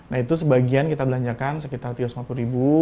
nah itu sebagian kita belanjakan sekitar tiga ratus lima puluh ribu